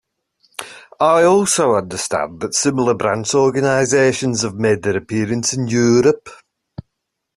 I also understand that similar branch organizations have made their appearance in Europe.